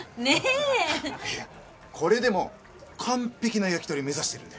いやこれでも完璧な焼き鳥目指してるんで！